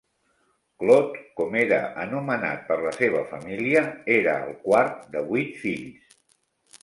Claude, com era anomenat per la seva família, era el quart de vuit fills.